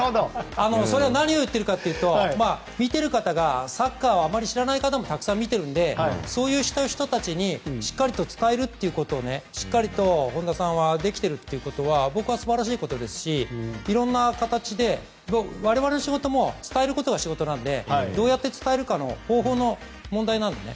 それは何を言っているかというと見ている方がサッカーをあまり知らない方もたくさん見ているのでそういう人たちにしっかりと伝えることをしっかりと本田さんができているということは僕は素晴らしいことだと思いますし、いろいろな形で我々の仕事は伝えることが仕事なのでどうやって伝えるかの方法の問題なんですよね。